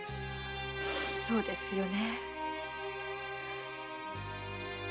そうですよね。